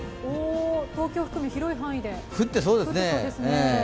東京含め広い範囲で降ってそうですね。